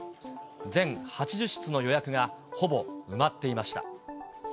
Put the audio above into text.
全８０室の予約がほぼ埋まっていました。